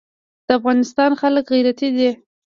د افغانستان خلک غیرتي دي